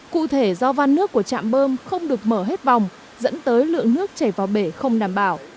cụ thể do van nước của trạm bơm không được mở hết vòng dẫn tới lượng nước chảy vào bể không đảm bảo